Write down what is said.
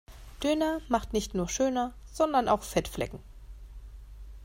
Döner macht nicht nur schöner sondern auch Fettflecken.